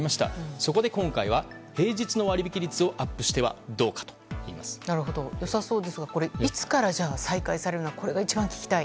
そこで、今回は平日の割引率を良さそうですがいつから再開されるのかが一番聞きたい。